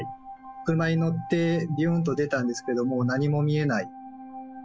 車に乗ってびゅーんと出たんですけれども、何も見えない。